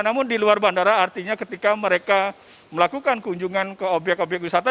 namun di luar bandara artinya ketika mereka melakukan kunjungan ke obyek obyek wisata